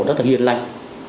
rất là hiền lành